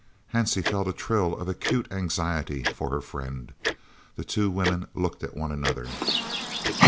'" Hansie felt a thrill of acute anxiety for her friend. The two women looked at one another.